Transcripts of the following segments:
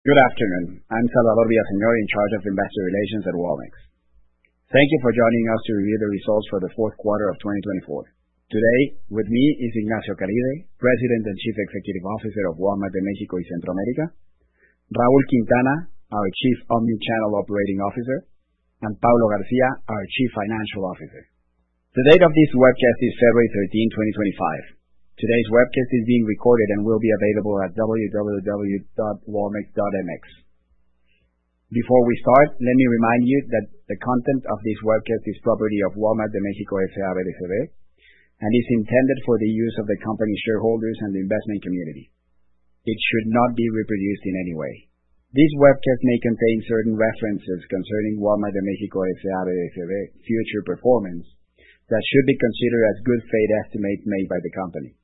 Good afternoon. I'm Salvador Villaseñor, in charge of investor relations at Walmart. Thank you for joining us to review the results for the fourth quarter of 2024. Today, with me is Ignacio Caride, President and Chief Executive Officer of Walmart de México y Centroamérica, Raúl Quintana, our Chief Omnichannel Operating Officer, and Paulo García, our Chief Financial Officer. The date of this webcast is February 13, 2025. Today's webcast is being recorded and will be available at www.walmart.mx. Before we start, let me remind you that the content of this webcast is property of Walmart de México, S.A.B. de C.V., and is intended for the use of the company shareholders and the investment community. It should not be reproduced in any way. This webcast may contain certain references concerning Walmart de México, S.A.B. de C.V.'s future performance that should be considered as good faith estimates made by the company.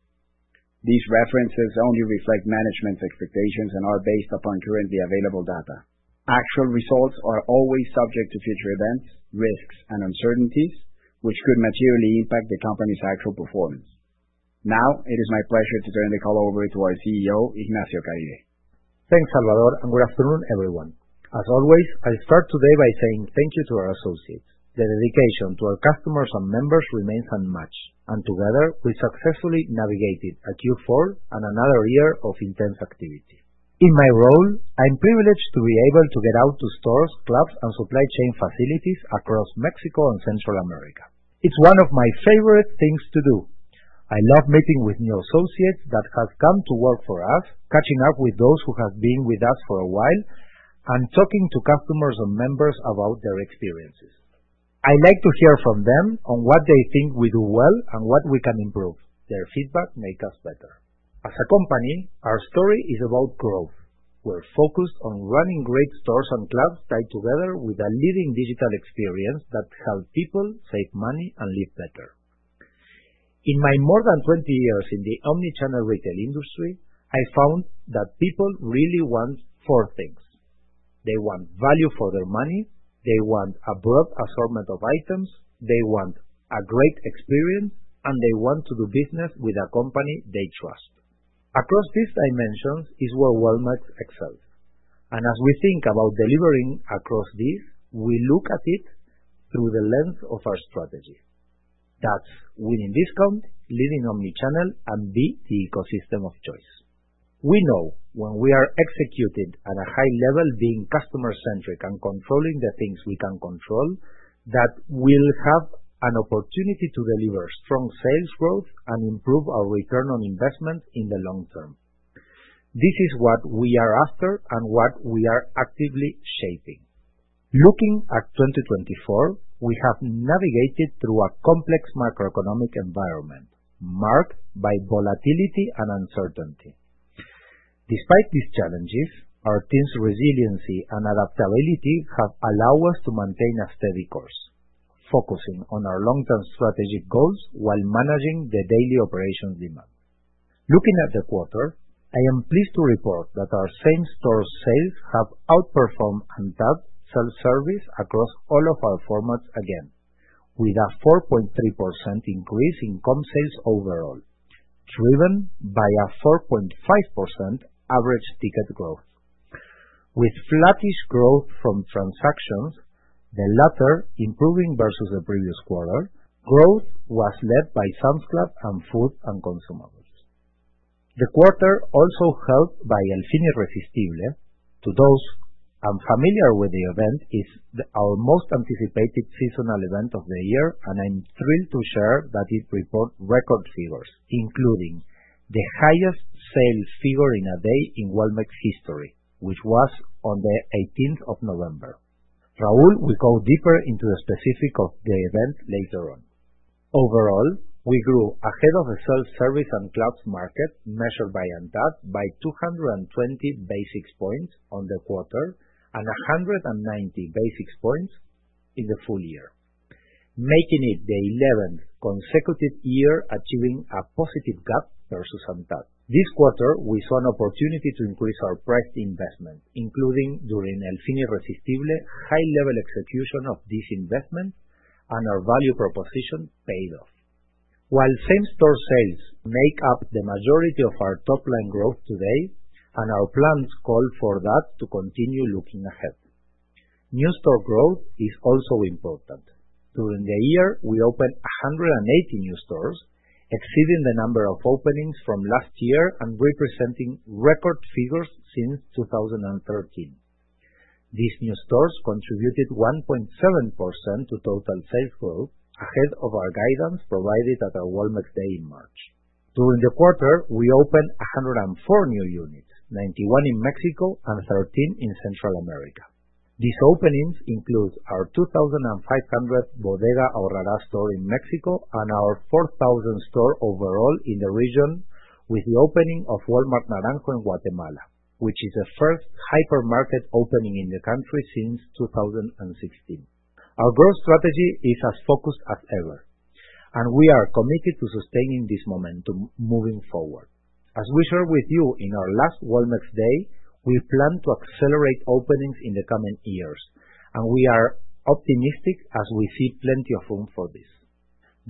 These references only reflect management's expectations and are based upon currently available data. Actual results are always subject to future events, risks, and uncertainties, which could materially impact the company's actual performance. Now, it is my pleasure to turn the call over to our CEO, Ignacio Caride. Thanks, Salvador, and good afternoon, everyone. As always, I'll start today by saying thank you to our associates. The dedication to our customers and members remains unmatched, and together, we've successfully navigated a Q4 and another year of intense activity. In my role, I'm privileged to be able to get out to stores, clubs, and supply chain facilities across Mexico and Central America. It's one of my favorite things to do. I love meeting with new associates that have come to work for us, catching up with those who have been with us for a while, and talking to customers and members about their experiences. I like to hear from them on what they think we do well and what we can improve. Their feedback makes us better. As a company, our story is about growth. We're focused on running great stores and clubs tied together with a living digital experience that helps people save money and live better. In my more than 20 years in the omnichannel retail industry, I found that people really want four things. They want value for their money. They want a broad assortment of items. They want a great experience, and they want to do business with a company they trust. Across these dimensions is where Walmart excels. And as we think about delivering across these, we look at it through the lens of our strategy. That's winning discount, living omnichannel, and be the ecosystem of choice. We know when we are executing at a high level, being customer-centric and controlling the things we can control, that we'll have an opportunity to deliver strong sales growth and improve our return on investment in the long term. This is what we are after and what we are actively shaping. Looking at 2024, we have navigated through a complex macroeconomic environment marked by volatility and uncertainty. Despite these challenges, our team's resiliency and adaptability have allowed us to maintain a steady course, focusing on our long-term strategic goals while managing the daily operations demand. Looking at the quarter, I am pleased to report that our same store sales have outperformed and topped self-service across all of our formats again, with a 4.3% increase in Comp sales overall, driven by a 4.5% average ticket growth. With flattish growth from transactions, the latter improving versus the previous quarter, growth was led by Sam's Club and food and consumables. The quarter also helped by El Fin Irresistible. To those unfamiliar with the event, it's our most anticipated seasonal event of the year, and I'm thrilled to share that it reported record figures, including the highest sales figure in a day in Walmart's history, which was on the 18th of November. Raúl, we'll go deeper into the specifics of the event later on. Overall, we grew ahead of the self-service and clubs market measured by ANTAD by 220 basis points on the quarter and 190 basis points in the full year, making it the 11th consecutive year achieving a positive gap versus ANTAD. This quarter, we saw an opportunity to increase our price investment, including during El Fin Irresistible's high-level execution of this investment and our value proposition paid off. While same store sales make up the majority of our top-line growth today, and our plans call for that to continue looking ahead. New store growth is also important. During the year, we opened 180 new stores, exceeding the number of openings from last year and representing record figures since 2013. These new stores contributed 1.7% to total sales growth ahead of our guidance provided at our Walmart Day in March. During the quarter, we opened 104 new units, 91 in Mexico and 13 in Central America. These openings include our 2,500th Bodega Aurrerá store in Mexico and our 4,000th store overall in the region, with the opening of Walmart Naranjo in Guatemala, which is the first hypermarket opening in the country since 2016. Our growth strategy is as focused as ever, and we are committed to sustaining this momentum moving forward. As we shared with you in our last Walmart Day, we plan to accelerate openings in the coming years, and we are optimistic as we see plenty of room for this.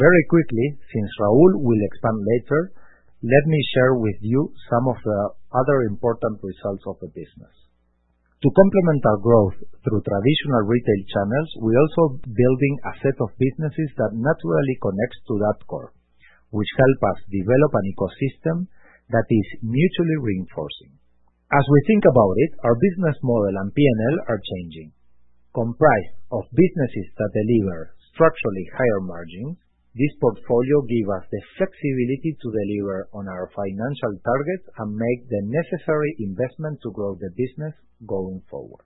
Very quickly, since Raúl will expand later, let me share with you some of the other important results of the business. To complement our growth through traditional retail channels, we're also building a set of businesses that naturally connect to that core, which helps us develop an ecosystem that is mutually reinforcing. As we think about it, our business model and P&L are changing. Comprised of businesses that deliver structurally higher margins, this portfolio gives us the flexibility to deliver on our financial targets and make the necessary investment to grow the business going forward.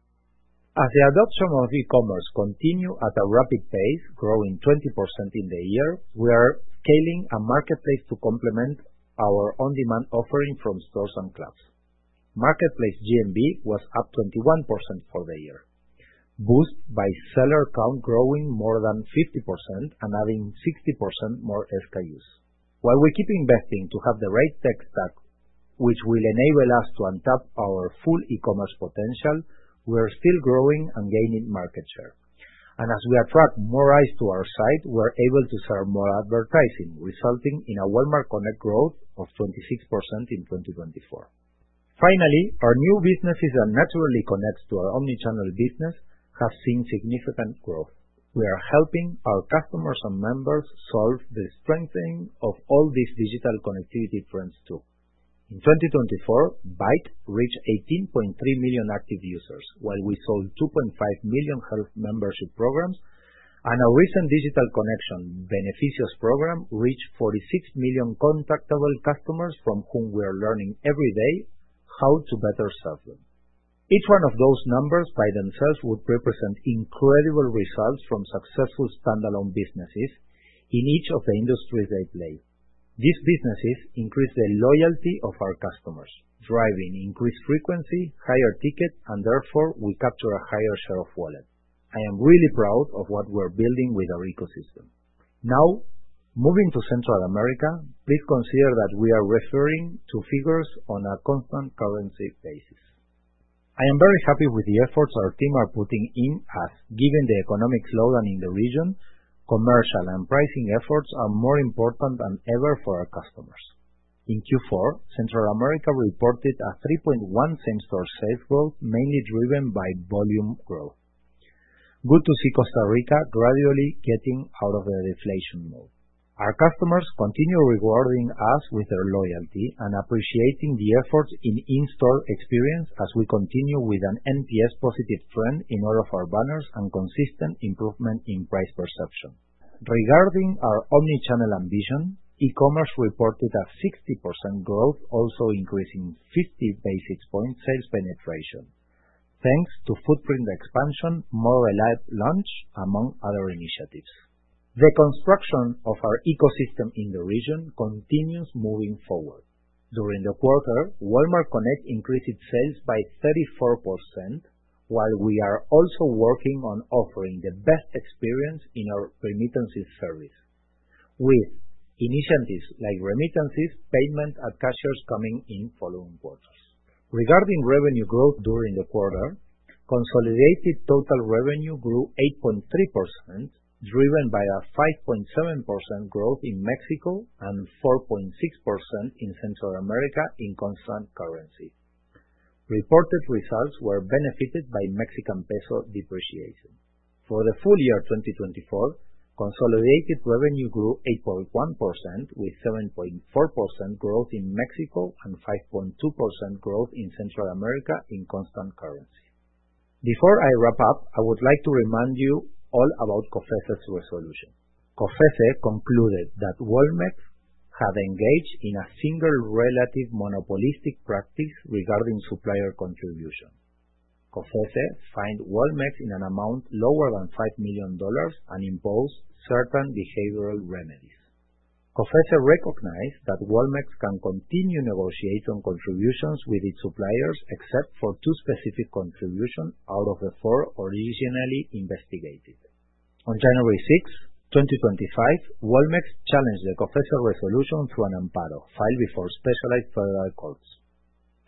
As the adoption of e-commerce continues at a rapid pace, growing 20% in the year, we are scaling a marketplace to complement our on-demand offering from stores and clubs. Marketplace GMV was up 21% for the year, boosted by seller count growing more than 50% and adding 60% more SKUs. While we keep investing to have the right tech stack, which will enable us to tap our full e-commerce potential, we're still growing and gaining market share, and as we attract more eyes to our site, we're able to serve more advertising, resulting in a Walmart Connect growth of 26% in 2024. Finally, our new businesses that naturally connect to our omnichannel business have seen significant growth. We are helping our customers and members solve the strengthening of all these digital connectivity trends too. In 2024, Byte 18.3 million active users, while we sold 2.5 million health membership programs, and our recent digital connection, Beneficios program, reached 46 million contactable customers from whom we are learning every day how to better serve them. Each one of those numbers by themselves would represent incredible results from successful standalone businesses in each of the industries they play. These businesses increase the loyalty of our customers, driving increased frequency, higher tickets, and therefore we capture a higher share of wallet. I am really proud of what we're building with our ecosystem. Now, moving to Central America, please consider that we are referring to figures on a constant currency basis. I am very happy with the efforts our team is putting in as, given the economic slowdown in the region, commercial and pricing efforts are more important than ever for our customers. In Q4, Central America reported a 3.1% store sales growth, mainly driven by volume growth. Good to see Costa Rica gradually getting out of the deflation mode. Our customers continue rewarding us with their loyalty and appreciating the efforts in-store experience as we continue with an NPS-positive trend in all of our banners and consistent improvement in price perception. Regarding our omnichannel ambition, e-commerce reported a 60% growth, also increasing 50 basis points sales penetration, thanks to footprint expansion, more live launches, among other initiatives. The construction of our ecosystem in the region continues moving forward. During the quarter, Walmart Connect increased its sales by 34%, while we are also working on offering the best experience in our remittances service, with initiatives like remittances, payments, and Cashi coming in following quarters. Regarding revenue growth during the quarter, consolidated total revenue grew 8.3%, driven by a 5.7% growth in Mexico and 4.6% in Central America in constant currency. Reported results were benefited by Mexican peso depreciation. For the full year 2024, consolidated revenue grew 8.1%, with 7.4% growth in Mexico and 5.2% growth in Central America in constant currency. Before I wrap up, I would like to remind you all about COFECE's resolution. COFECE concluded that Walmart had engaged in a single relative monopolistic practice regarding supplier contributions. COFECE fined Walmart in an amount lower than $5 million and imposed certain behavioral remedies. COFECE recognized that Walmart can continue negotiating contributions with its suppliers, except for two specific contributions out of the four originally investigated. On January 6, 2025, Walmart challenged the COFECE resolution through an amparo filed before specialized federal courts.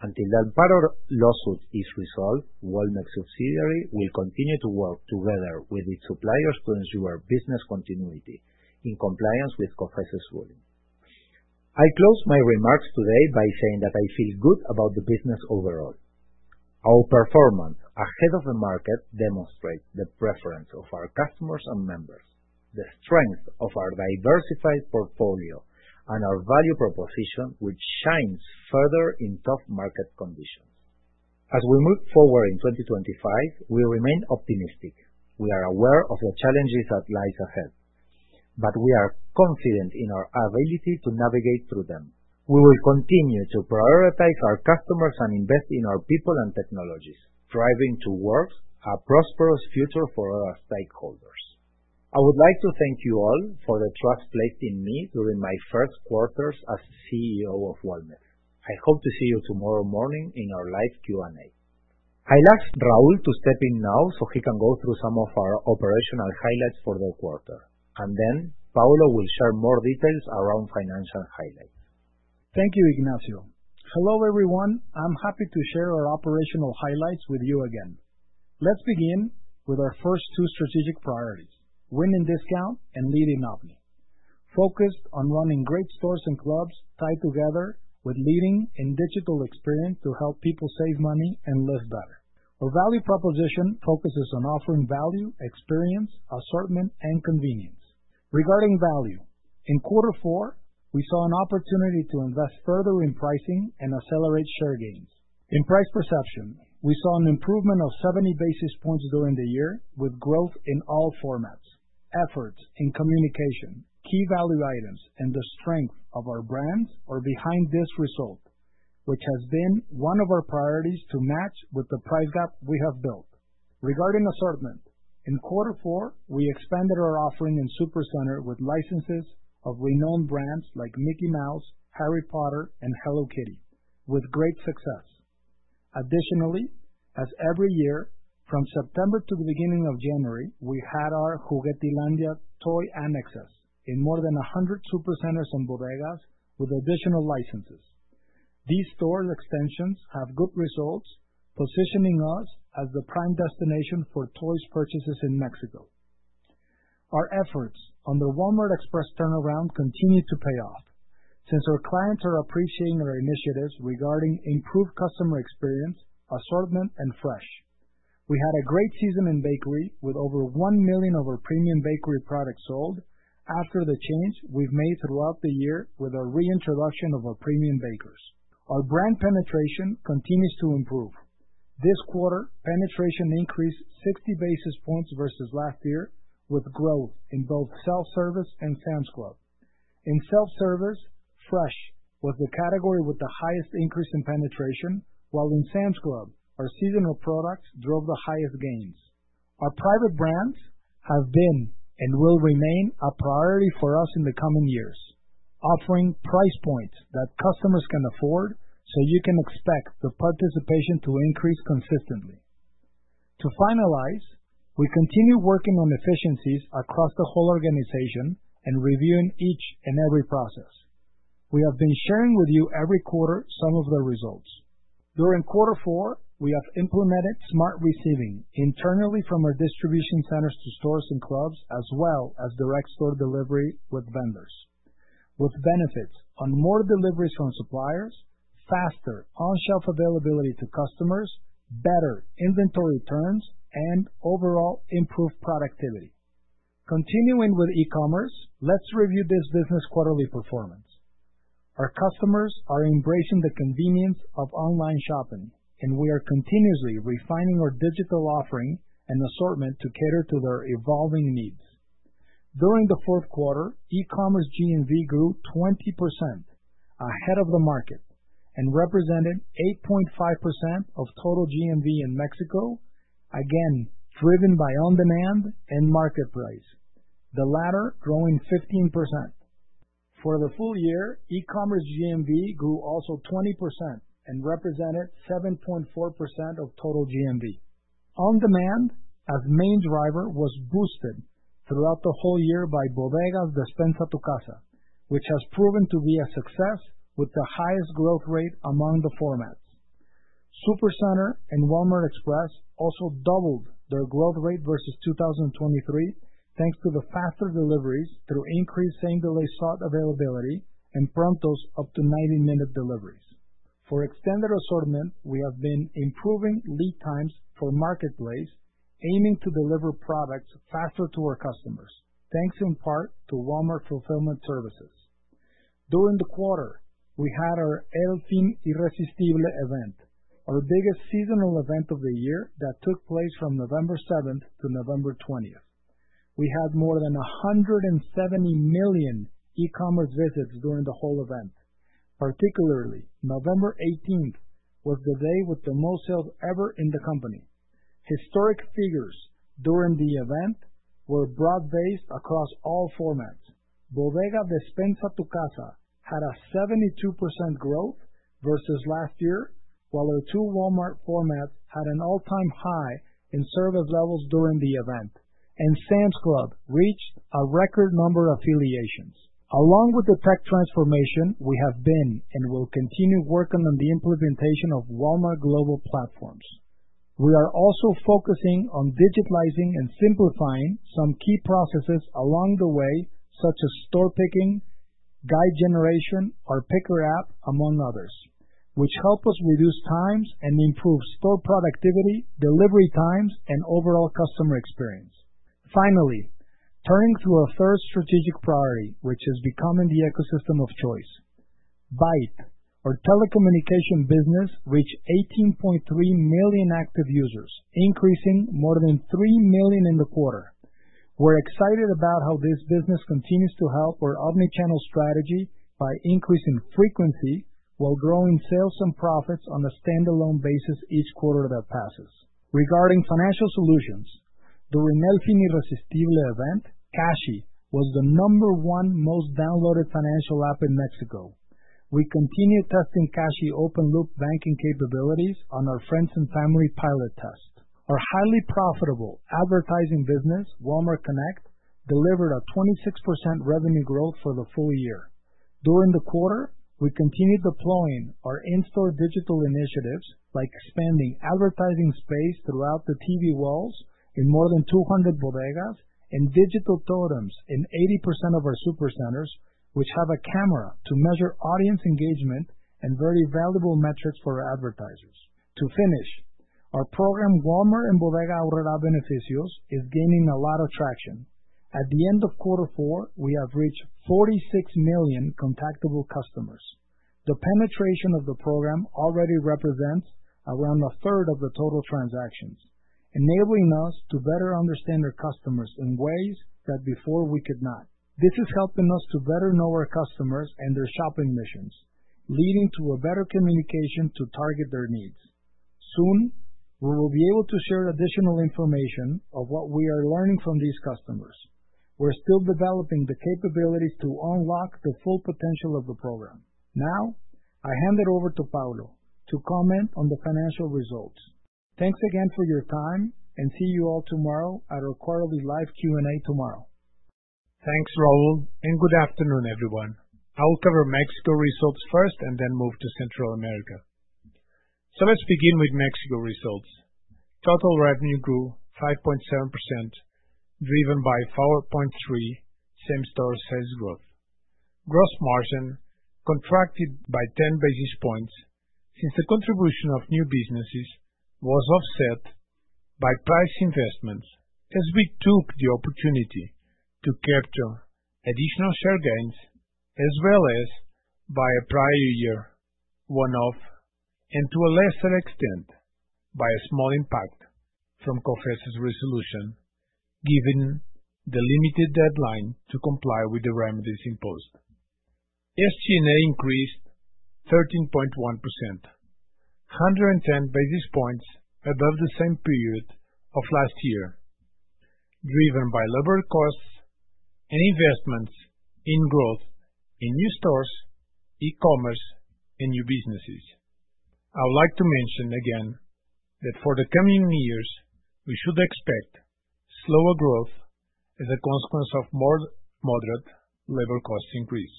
Until the amparo lawsuit is resolved, Walmart subsidiary will continue to work together with its suppliers to ensure business continuity in compliance with COFECE's ruling. I close my remarks today by saying that I feel good about the business overall. Our performance ahead of the market demonstrates the preference of our customers and members, the strength of our diversified portfolio, and our value proposition, which shines further in tough market conditions. As we move forward in 2025, we remain optimistic. We are aware of the challenges that lie ahead, but we are confident in our ability to navigate through them. We will continue to prioritize our customers and invest in our people and technologies, driving towards a prosperous future for our stakeholders. I would like to thank you all for the trust placed in me during my first quarters as CEO of Walmart. I hope to see you tomorrow morning in our live Q&A. I'll ask Raúl to step in now so he can go through some of our operational highlights for the quarter, and then Paulo will share more details around financial highlights. Thank you, Ignacio. Hello everyone. I'm happy to share our operational highlights with you again. Let's begin with our first two strategic priorities: winning discount and living omni, focused on running great stores and clubs tied together with living and digital experience to help people save money and live better. Our value proposition focuses on offering value, experience, assortment, and convenience. Regarding value, in Q4, we saw an opportunity to invest further in pricing and accelerate share gains. In price perception, we saw an improvement of 70 basis points during the year, with growth in all formats. Efforts in communication, key value items, and the strength of our brands are behind this result, which has been one of our priorities to match with the price gap we have built. Regarding assortment, in Q4, we expanded our offering in Supercenter with licenses of renowned brands like Mickey Mouse, Harry Potter, and Hello Kitty, with great success. Additionally, as every year, from September to the beginning of January, we had our Juguetilandia toy annexes in more than 100 Supercenters and bodegas with additional licenses. These store extensions have good results, positioning us as the prime destination for toys purchases in Mexico. Our efforts under Walmart Express turnaround continue to pay off, since our clients are appreciating our initiatives regarding improved customer experience, assortment, and fresh. We had a great season in bakery with over 1 million of our premium bakery products sold after the change we've made throughout the year with our reintroduction of our premium bakers. Our brand penetration continues to improve. This quarter, penetration increased 60 basis points versus last year, with growth in both self-service and Sam's Club. In self-service, fresh was the category with the highest increase in penetration, while in Sam's Club, our seasonal products drove the highest gains. Our private brands have been and will remain a priority for us in the coming years, offering price points that customers can afford, so you can expect the participation to increase consistently. To finalize, we continue working on efficiencies across the whole organization and reviewing each and every process. We have been sharing with you every quarter some of the results. During Q4, we have implemented smart receiving internally from our distribution centers to stores and clubs, as well as direct store delivery with vendors, with benefits on more deliveries from suppliers, faster on-shelf availability to customers, better inventory turns, and overall improved productivity. Continuing with e-commerce, let's review this business quarterly performance. Our customers are embracing the convenience of online shopping, and we are continuously refining our digital offering and assortment to cater to their evolving needs. During the fourth quarter, e-commerce GMV grew 20% ahead of the market and represented 8.5% of total GMV in Mexico, again driven by on-demand and Marketplace, the latter growing 15%. For the full year, e-commerce GMV grew also 20% and represented 7.4% of total GMV. On-demand, as main driver, was boosted throughout the whole year by Bodega's Despensa a tu Casa, which has proven to be a success with the highest growth rate among the formats. Supercenter and Walmart Express also doubled their growth rate versus 2023, thanks to the faster deliveries through increased same-day slot availability and Prontos, up to 90-minute deliveries. For extended assortment, we have been improving lead times for Marketplace, aiming to deliver products faster to our customers, thanks in part to Walmart Fulfillment Services. During the quarter, we had our El Fin Irresistible event, our biggest seasonal event of the year that took place from November 7 to November 20. We had more than 170 million e-commerce visits during the whole event. Particularly, November 18 was the day with the most sales ever in the company. Historic figures during the event were broad-based across all formats. Bodega Despensa a tu Casa had a 72% growth versus last year, while our two Walmart formats had an all-time high in service levels during the event, and Sam's Club reached a record number of affiliations. Along with the tech transformation, we have been and will continue working on the implementation of Walmart Global platforms. We are also focusing on digitalizing and simplifying some key processes along the way, such as store picking, guide generation, our Picker app, among others, which help us reduce times and improve store productivity, delivery times, and overall customer experience. Finally, turning to our third strategic priority, which has become the ecosystem of choice, Byte, our telecommunication business, reached 18.3 million active users, increasing more than 3 million in the quarter. We're excited about how this business continues to help our omnichannel strategy by increasing frequency while growing sales and profits on a standalone basis each quarter that passes. Regarding financial solutions, during El Fin Irresistible event, Cashi was the number one most downloaded financial app in Mexico. We continue testing Cashi open-loop banking capabilities on our friends and family pilot test. Our highly profitable advertising business, Walmart Connect, delivered a 26% revenue growth for the full year. During the quarter, we continued deploying our in-store digital initiatives, like expanding advertising space throughout the TV walls in more than 200 bodegas and digital totems in 80% of our Supercenters, which have a camera to measure audience engagement and very valuable metrics for our advertisers. To finish, our program, Walmart y Bodega Aurrerá Beneficios, is gaining a lot of traction. At the end of Q4, we have reached 46 million contactable customers. The penetration of the program already represents around a third of the total transactions, enabling us to better understand our customers in ways that before we could not. This is helping us to better know our customers and their shopping missions, leading to a better communication to target their needs. Soon, we will be able to share additional information of what we are learning from these customers. We're still developing the capabilities to unlock the full potential of the program. Now, I hand it over to Paulo to comment on the financial results. Thanks again for your time, and see you all tomorrow at our quarterly live Q&A tomorrow. Thanks, Raúl, and good afternoon, everyone. I'll cover Mexico results first and then move to Central America. So let's begin with Mexico results. Total revenue grew 5.7%, driven by 4.3% same-store sales growth. Gross margin contracted by 10 basis points since the contribution of new businesses was offset by price investments, as we took the opportunity to capture additional share gains, as well as by a prior year one-off and, to a lesser extent, by a small impact from COFECE's resolution, given the limited deadline to comply with the remedies imposed. SG&A increased 13.1%, 110 basis points above the same period of last year, driven by labor costs and investments in growth in new stores, e-commerce, and new businesses. I would like to mention again that for the coming years, we should expect slower growth as a consequence of more moderate labor cost increase.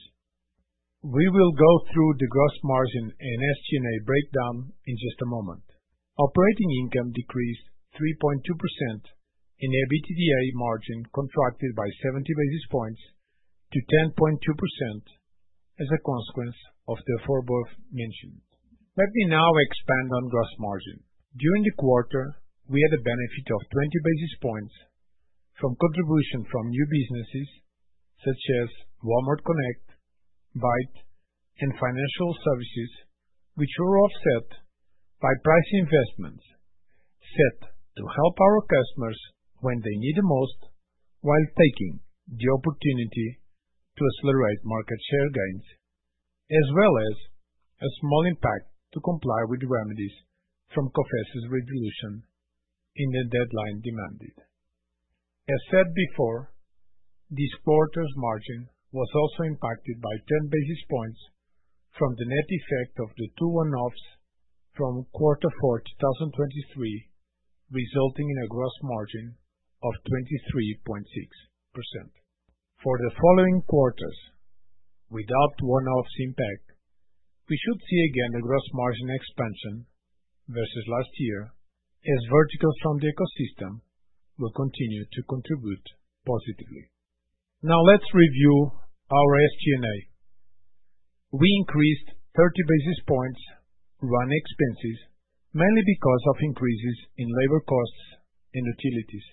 We will go through the gross margin and SG&A breakdown in just a moment. Operating income decreased 3.2%, and EBITDA margin contracted by 70 basis points to 10.2% as a consequence of the aforementioned. Let me now expand on gross margin. During the quarter, we had a benefit of 20 basis points from contribution from new businesses such as Walmart Connect, Byte, and financial services, which were offset by price investments set to help our customers when they need the most, while taking the opportunity to accelerate market share gains, as well as a small impact to comply with remedies from COFECE's resolution in the deadline demanded. As said before, this quarter's margin was also impacted by 10 basis points from the net effect of the two one-offs from Q4 2023, resulting in a gross margin of 23.6%. For the following quarters, without one-offs impact, we should see again the gross margin expansion versus last year, as verticals from the ecosystem will continue to contribute positively. Now, let's review our SG&A. We increased 30 basis points run expenses, mainly because of increases in labor costs and utilities.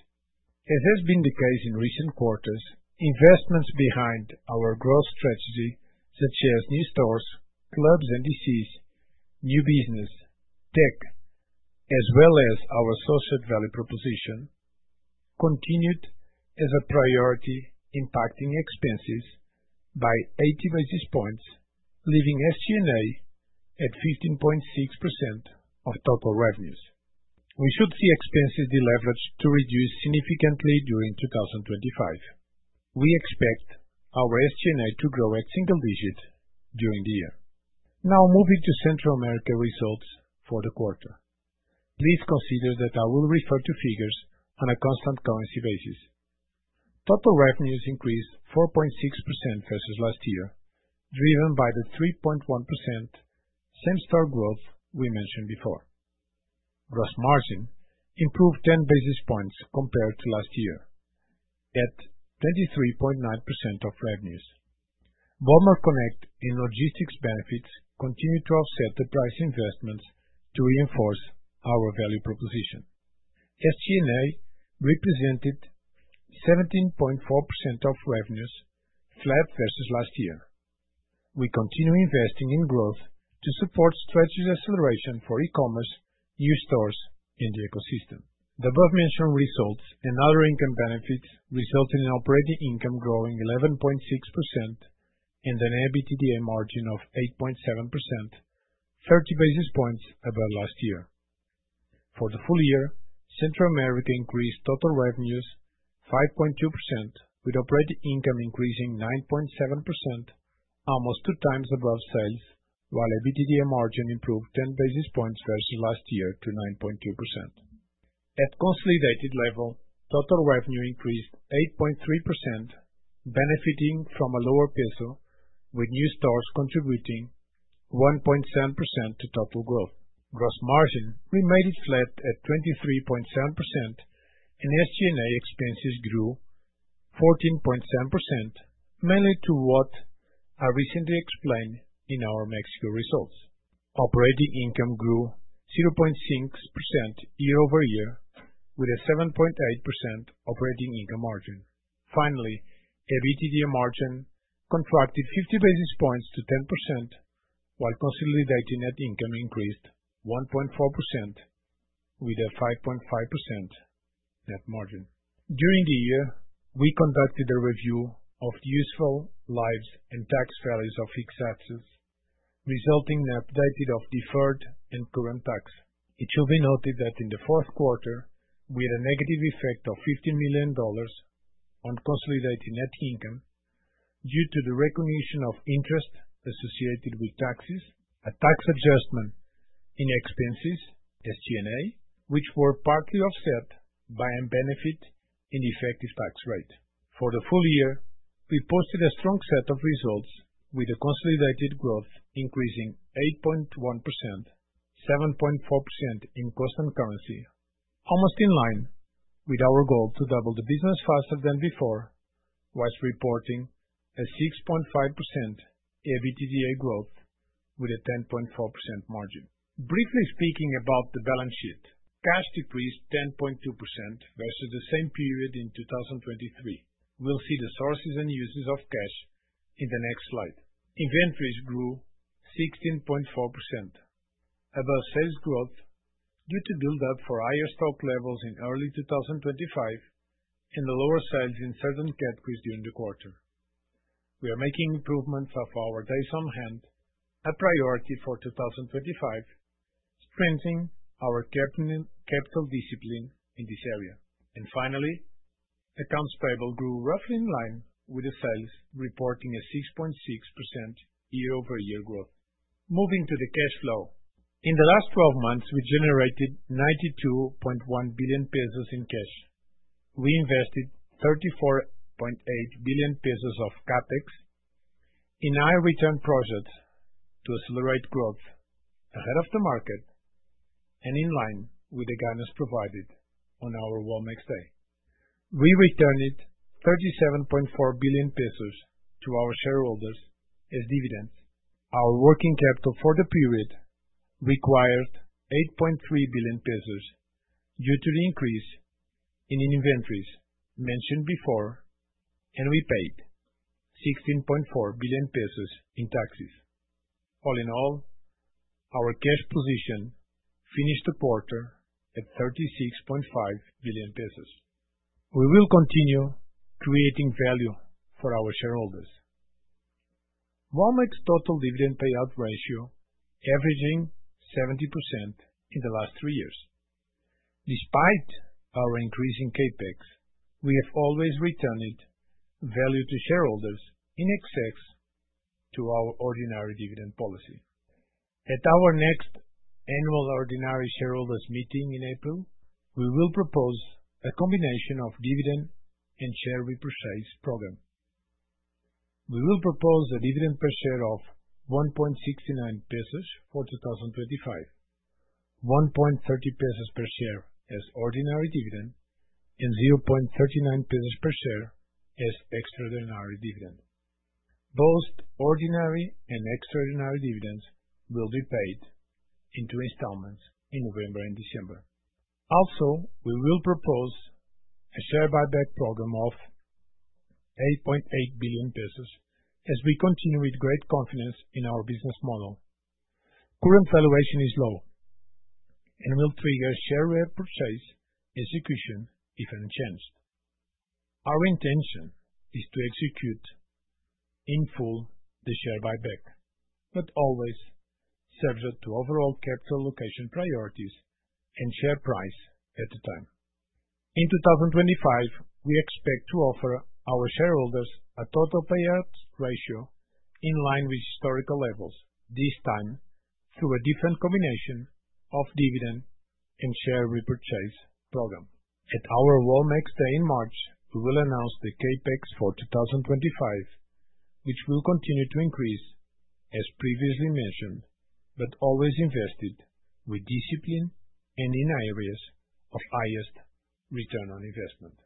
As has been the case in recent quarters, investments behind our growth strategy, such as new stores, clubs, and DCs, new business, tech, as well as our associate value proposition, continued as a priority impacting expenses by 80 basis points, leaving SG&A at 15.6% of total revenues. We should see expenses deleveraged to reduce significantly during 2025. We expect our SG&A to grow at single digit during the year. Now, moving to Central America results for the quarter. Please consider that I will refer to figures on a constant currency basis. Total revenues increased 4.6% versus last year, driven by the 3.1% same-store growth we mentioned before. Gross margin improved 10 basis points compared to last year at 23.9% of revenues. Walmart Connect and logistics benefits continue to offset the price investments to reinforce our value proposition. SG&A represented 17.4% of revenues, flat versus last year. We continue investing in growth to support strategy acceleration for e-commerce, new stores, and the ecosystem. The above-mentioned results and other income benefits resulted in operating income growing 11.6% and an EBITDA margin of 8.7%, 30 basis points above last year. For the full year, Central America increased total revenues 5.2%, with operating income increasing 9.7%, almost two times above sales, while EBITDA margin improved 10 basis points versus last year to 9.2%. At consolidated level, total revenue increased 8.3%, benefiting from a lower peso, with new stores contributing 1.7% to total growth. Gross margin remained flat at 23.7%, and SG&A expenses grew 14.7%, mainly to what I recently explained in our Mexico results. Operating income grew 0.6% year-over-year, with a 7.8% operating income margin. Finally, EBITDA margin contracted 50 basis points to 10%, while consolidated net income increased 1.4%, with a 5.5% net margin. During the year, we conducted a review of useful lives and tax values of fixed assets, resulting in an update of deferred and current tax. It should be noted that in the fourth quarter, we had a negative effect of $15 million on consolidated net income due to the recognition of interest associated with taxes, a tax adjustment in expenses, SG&A, which were partly offset by a benefit in effective tax rate. For the full year, we posted a strong set of results, with the consolidated growth increasing 8.1%, 7.4% in constant currency, almost in line with our goal to double the business faster than before, whilst reporting a 6.5% EBITDA growth with a 10.4% margin. Briefly speaking about the balance sheet, cash decreased 10.2% versus the same period in 2023. We'll see the sources and uses of cash in the next slide. Inventories grew 16.4% above sales growth due to build-up for higher stock levels in early 2025 and the lower sales in certain categories during the quarter. We are making improvements of our days on hand a priority for 2025, strengthening our capital discipline in this area. And finally, accounts payable grew roughly in line with the sales, reporting a 6.6% year-over-year growth. Moving to the cash flow. In the last 12 months, we generated 92.1 billion pesos in cash. We invested 34.8 billion pesos of CapEx in high return projects to accelerate growth ahead of the market and in line with the guidance provided on our Walmart Day. We returned 37.4 billion pesos to our shareholders as dividends. Our working capital for the period required 8.3 billion pesos due to the increase in inventories mentioned before, and we paid 16.4 billion pesos in taxes. All in all, our cash position finished the quarter at 36.5 billion pesos. We will continue creating value for our shareholders. Walmart's total dividend payout ratio averaging 70% in the last three years. Despite our increase in CapEx, we have always returned value to shareholders in excess to our ordinary dividend policy. At our next annual ordinary shareholders meeting in April, we will propose a combination of dividend and share repurchase program. We will propose a dividend per share of 1.69 pesos for 2025, 1.30 pesos per share as ordinary dividend, and 0.39 pesos per share as extraordinary dividend. Both ordinary and extraordinary dividends will be paid into installments in November and December. Also, we will propose a share buyback program of 8.8 billion pesos as we continue with great confidence in our business model. Current valuation is low and will trigger share repurchase execution if unchanged. Our intention is to execute in full the share buyback, but always subject to overall capital allocation priorities and share price at the time. In 2025, we expect to offer our shareholders a total payout ratio in line with historical levels, this time through a different combination of dividend and share repurchase program. At our Walmart Day in March, we will announce the CapEx for 2025, which will continue to increase, as previously mentioned, but always invested with discipline and in areas of highest return on investment.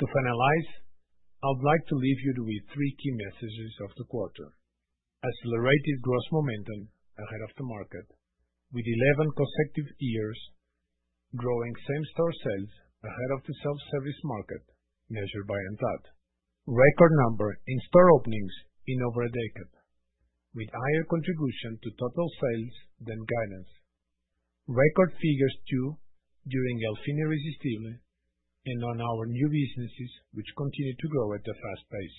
To finalize, I would like to leave you with three key messages of the quarter: accelerated growth momentum ahead of the market, with 11 consecutive years growing same-store sales ahead of the self-service market measured by ANTAD, record number in-store openings in over a decade, with higher contribution to total sales than guidance, record figures due during El Fin Irresistible and on our new businesses, which continue to grow at a fast pace.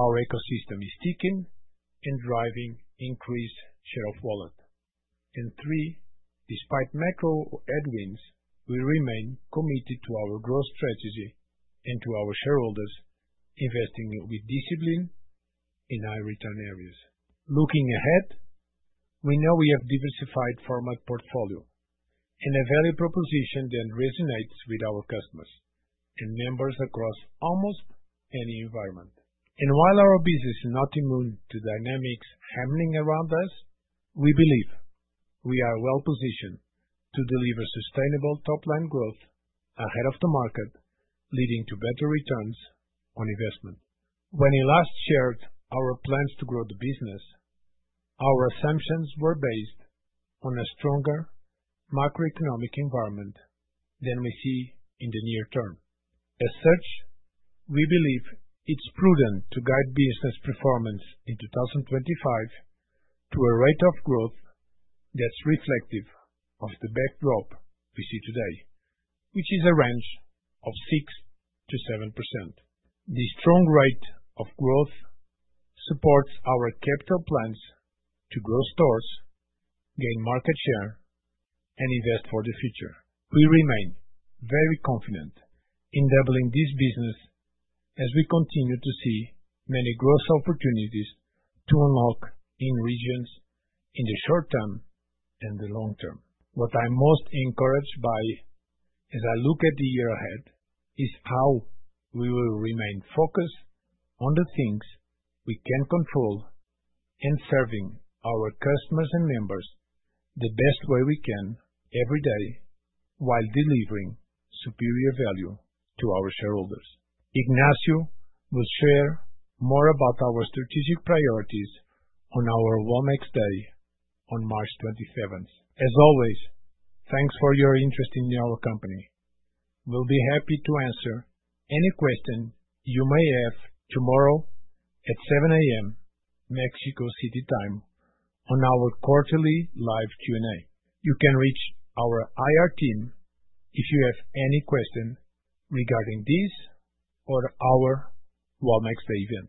Our ecosystem is ticking and driving increased share of wallet. And three, despite macro headwinds, we remain committed to our growth strategy and to our shareholders investing with discipline in high return areas. Looking ahead, we know we have diversified format portfolio and a value proposition that resonates with our customers and members across almost any environment. While our business is not immune to dynamics happening around us, we believe we are well positioned to deliver sustainable top-line growth ahead of the market, leading to better returns on investment. When I last shared our plans to grow the business, our assumptions were based on a stronger macroeconomic environment than we see in the near term. As such, we believe it's prudent to guide business performance in 2025 to a rate of growth that's reflective of the backdrop we see today, which is a range of 6%-7%. This strong rate of growth supports our capital plans to grow stores, gain market share, and invest for the future. We remain very confident in doubling this business as we continue to see many growth opportunities to unlock in regions in the short term and the long term. What I'm most encouraged by as I look at the year ahead is how we will remain focused on the things we can control and serving our customers and members the best way we can every day while delivering superior value to our shareholders. Ignacio will share more about our strategic priorities on our Walmart Day on March 27th. As always, thanks for your interest in our company. We'll be happy to answer any question you may have tomorrow at 7:00 A.M. Mexico City time on our quarterly live Q&A. You can reach our IR team if you have any questions regarding this or our Walmart Day event.